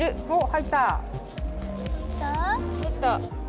入った。